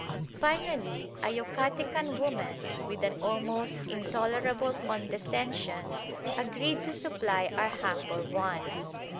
Finally a Yucatecan woman, with an almost intolerable condescension, agreed to supply our humble wants.